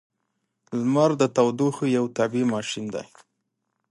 • لمر د تودوخې یو طبیعی ماشین دی.